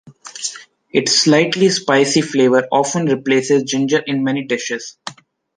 It’s slightly spicy flavor often replaces ginger in many dishes.